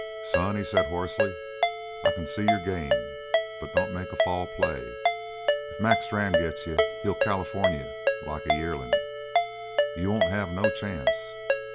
"Son," he said hoarsely. "I c'n see you're game. But don't make a fall play. If Mac Strann gets you, he'll California you like a yearling. You won't have no chance.